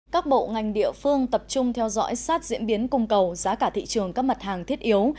các bộ ngành địa phương tập trung theo dõi sát diễn biến cung cầu giá cả thị trường các mặt hàng thiết yếu